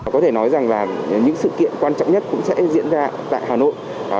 có thể nói rằng là những sự kiện quan trọng nhất cũng sẽ diễn ra tại hà nội